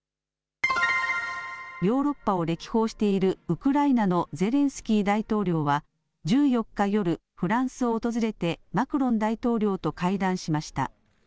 ヨーロッパを歴訪しているウクライナのゼレンスキー大統領は１４日夜、フランスを訪れてマクロン大統領と会談しました。